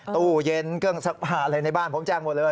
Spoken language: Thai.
ตู้เย็นเครื่องซักผ้าอะไรในบ้านผมแจ้งหมดเลย